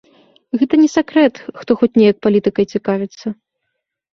Гэта не сакрэт, хто хоць неяк палітыкай цікавіцца.